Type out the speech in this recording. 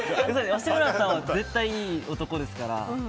吉村さんは絶対いい男ですから。